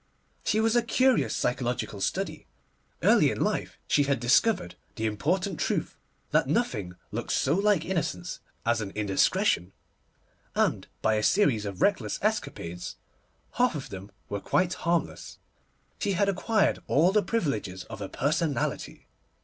She was a curious psychological study. Early in life she had discovered the important truth that nothing looks so like innocence as an indiscretion; and by a series of reckless escapades, half of them quite harmless, she had acquired all the privileges of a personality.